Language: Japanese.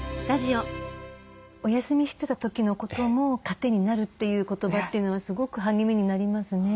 お休みしてた時のことも糧になるという言葉というのはすごく励みになりますね。